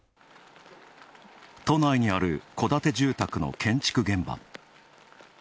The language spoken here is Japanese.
都内にある戸建て住宅の建築現場。